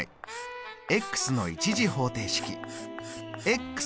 「の１次方程式」。